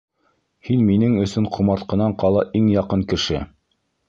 Һин минең өсөн ҡомартҡынан ҡала иң яҡын кеше.